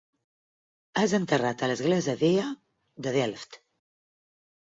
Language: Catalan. És enterrat a l'església vella de Delft.